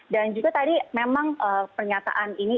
dan juga tadi memang pernyataan ini